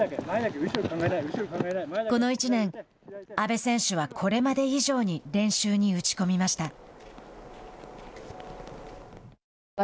この１年、阿部選手はこれまで以上に練習に打ち込みました。